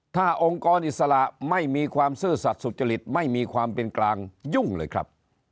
ถ้าองค์กรอิสระไม่มีความซื่อสัตว์สุจริตไม่มีความเป็นกลางยุ่งเลยครับ